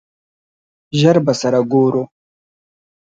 ژر به سره ګورو!